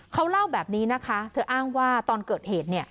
เขาเล่าแบบนี้นะคะเธออ้างว่าตอนเกิดเหตุ